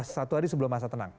satu hari sebelum masa tenang